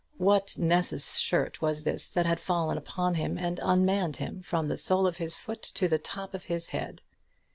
What Nessus's shirt was this that had fallen upon him, and unmanned him from the sole of his foot to the top of his head?